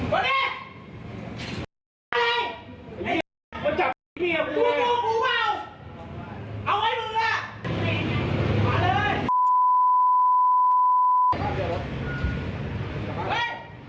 พี่รักหรอสิ